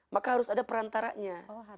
maka harus ada perantaranya